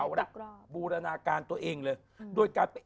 เอาละบูรณาการตัวเองเลย